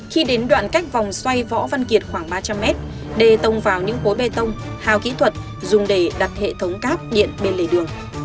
khi đến đoạn cách vòng xoay võ văn kiệt khoảng ba trăm linh mét đê tông vào những cối bê tông hào kỹ thuật dùng để đặt hệ thống cáp điện bên lề đường